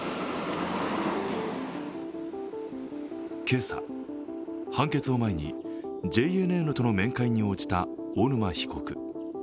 今朝、判決を前にＪＮＮとの面会に応じた小沼被告。